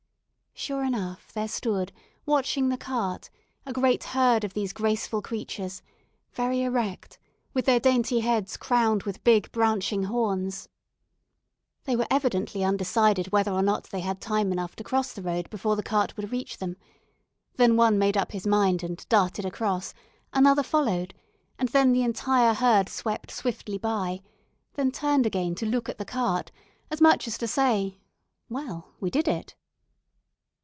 Sure enough, there stood, watching the cart, a great herd of these graceful creatures, very erect, with their dainty heads crowned with big, branching horns. They were evidently undecided whether or not they had time enough to cross the road before the cart would reach them; then one made up his mind and darted across, another followed, and then the entire herd swept swiftly by, then turned again to look at the cart, as much as to say, "Well, we did it."